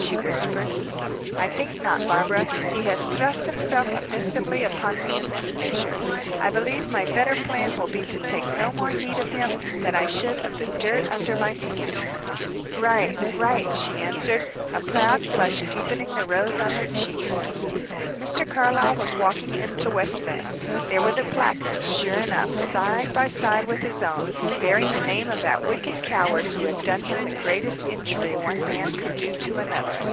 she whispered. "I think not, Barbara. He has thrust himself offensively upon me in this measure; I believe my better plan will be to take no more heed of him than I should of the dirt under my feet." "Right right," she answered, a proud flush deepening the rose on her cheeks. Mr. Carlyle was walking into West Lynne. There were the placards, sure enough, side by side with his own, bearing the name of that wicked coward who had done him the greatest injury one man can do to another.